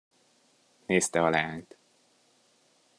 Nézte a leányt.